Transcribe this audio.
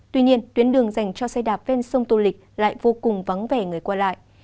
tuy nhiên tuyến đường dành cho xe đạp ven sông tô lịch lại vô cùng vắng vẻ người qua lại